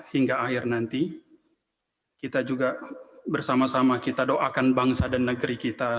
hingga akhir nanti kita juga bersama sama kita doakan bangsa dan negeri kita